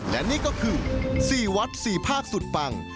และนี่ก็คือ๔วัด๔ภาคสุดปัง